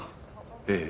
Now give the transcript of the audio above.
ええ。